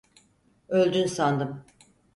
Öldün sandım.